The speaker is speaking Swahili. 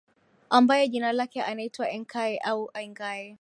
Ambaye jina lake anaitwa Enkai au Engai